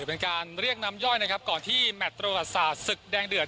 เป็นการเรียกน้ำย่อยนะครับก่อนที่แมทประวัติศาสตร์ศึกแดงเดือด